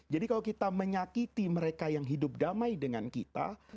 jadi kalau kita menyakiti mereka yang hidup damai dengan kita